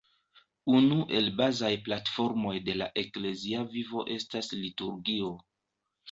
Unu el bazaj platformoj de la eklezia vivo estas liturgio.